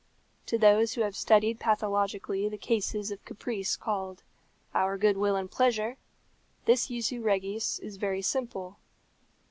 To those who have studied pathologically the cases of caprice called "our good will and pleasure," this jussu regis is very simple.